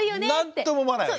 何とも思わないよね。